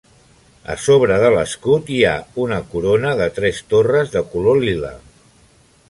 A sobre de l'escut hi ha una corona de tres torres de color lila.